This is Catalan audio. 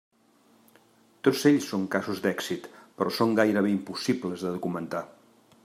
Tots ells són casos d'èxit, però són gairebé impossibles de documentar.